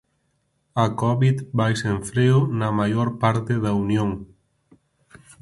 A covid vai sen freo na maior parte da Unión.